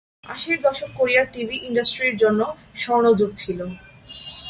আশির দশক কোরিয়ার টিভি ইন্ডাস্ট্রির জন্য স্বর্ণযুগ ছিল।